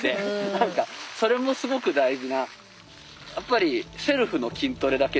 何かそれもすごく大事な。